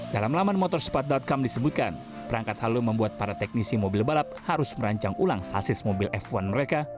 dalam laman motorspat com disebutkan perangkat halo membuat para teknisi mobil balap harus merancang ulang sasis mobil f satu mereka